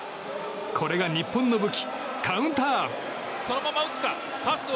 これが日本の武器、カウンター！